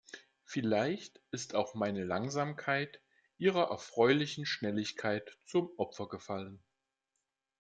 Vielleicht ist auch meine Langsamkeit ihrer erfreulichen Schnelligkeit zum Opfer gefallen.